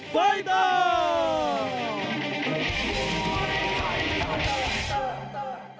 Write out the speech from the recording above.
ไฟเตอร์